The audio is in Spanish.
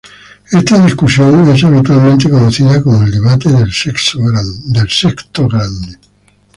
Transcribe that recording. Esta discusión es habitualmente conocida como el debate del sexto grande.